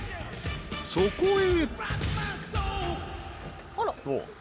［そこへ］